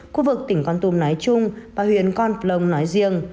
khu vực tỉnh con tum nói chung và huyện con plong nói riêng